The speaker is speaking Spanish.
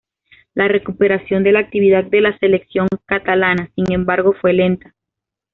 La recuperación de la actividad de las selecciones catalanas, sin embargo, fue lenta.